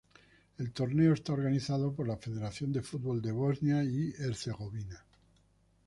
El torneo es organizado por la Federación de Fútbol de Bosnia y Herzegovina.